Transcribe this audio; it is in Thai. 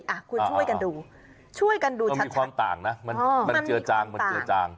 อ่ะคุณช่วยกันดูช่วยกันดูมันมีความต่างนะมันมันเจือจางมันเจือจาง